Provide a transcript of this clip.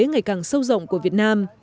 ngày càng sâu rộng của việt nam